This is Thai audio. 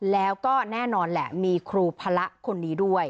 แล้วก็แน่นอนแหละมีครูพระคนนี้ด้วย